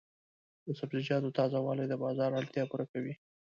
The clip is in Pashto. د سبزیجاتو تازه والي د بازار اړتیا پوره کوي.